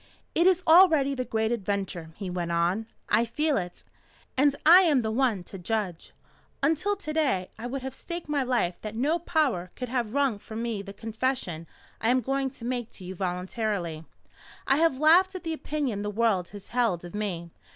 "It is already the Great Adventure," he went on. "I feel it. And I am the one to judge. Until to day I would have staked my life that no power could have wrung from me the confession I am going to make to you voluntarily. I have laughed at the opinion the world has held of me.